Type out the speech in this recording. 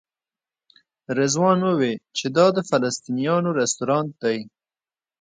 رضوان وویل چې دا د فلسطینیانو رسټورانټ دی.